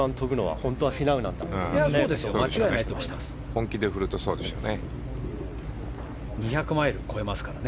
本気で振るとそうでしょうね。